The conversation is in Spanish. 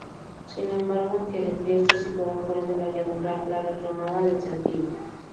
Sin embargo, aunque Eretria está situada fuera de la llanura, la reclamaba desde antiguo.